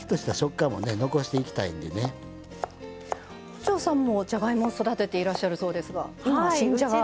本上さんもじゃがいもを育てていらっしゃるそうですが今新じゃが。